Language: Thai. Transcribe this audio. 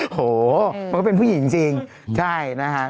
โหมันก็เป็นผู้หญิงจริงใช่นะฮะ